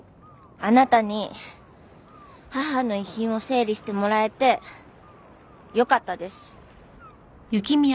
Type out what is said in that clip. あなたに母の遺品を整理してもらえてよかったです。